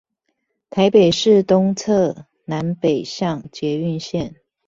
台北市東側南北向捷運線